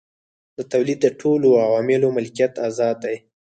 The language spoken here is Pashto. د تولید د ټولو عواملو ملکیت ازاد دی.